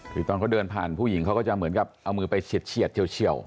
คือตอนเขาเดินผ่านผู้หญิงเขาก็จะเหมือนกับเอามือไปเฉียดเฉียว